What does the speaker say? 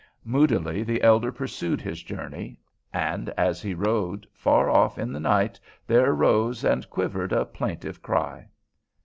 Moodily the elder pursued his journey, and as he rode, far off in the night there rose and quivered a plaintive cry.